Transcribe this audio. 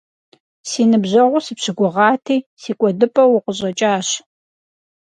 Сэ ныбжьэгъуу сыпщыгугъати, си кӀуэдыпӀэу укъыщӀэкӀащ.